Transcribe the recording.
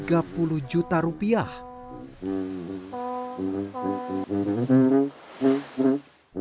agustinus sasundu adalah satu dari sekian banyak pembuat alat musik bambu di sangihe